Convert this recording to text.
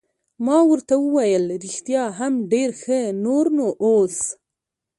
ما ورته وویل: رښتیا هم ډېر ښه، نور نو اوس.